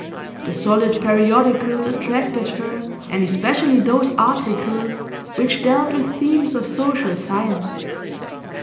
The solid periodicals attracted her, and especially those articles which dealt with themes of social science.